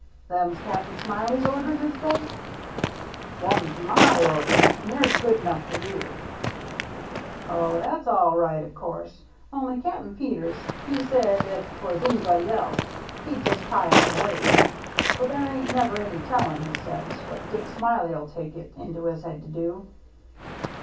" Them's Cap'n Smiley's orders, is they ?" "Them's my orders, and they're good enough for you." " Oh, that's all right, of course, only Cap'n Peters, he said if 'twas anybody else, he'd just tie up and wait, but there ain't never any tellin', he says, what Dick Smiley '11 take it into his head to do."